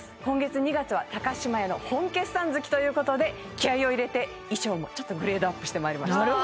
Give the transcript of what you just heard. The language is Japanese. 今月２月は島屋の本決算月ということで気合いを入れて衣装もちょっとグレードアップしてまいりました